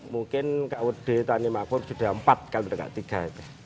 mungkin kud tanimakpur sudah empat kali tiga